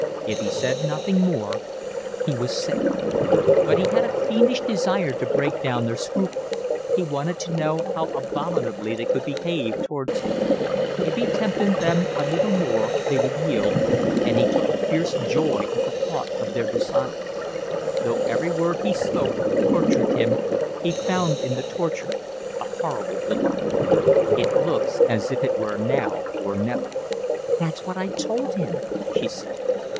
If he said nothing more he was safe. But he had a fiendish desire to break down their scruples, he wanted to know how abominably they could behave towards him; if he tempted them a little more they would yield, and he took a fierce joy at the thought of their dishonour. Though every word he spoke tortured him, he found in the torture a horrible delight. "It looks as if it were now or never." "That's what I told him," she said.